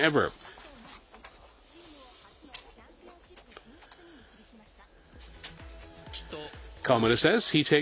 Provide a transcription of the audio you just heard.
８．５アシストをマークし、チームを初のチャンピオンシップ進出に導きました。